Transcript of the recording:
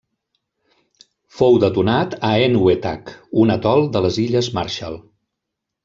Fou detonat a Enewetak, un atol de les Illes Marshall.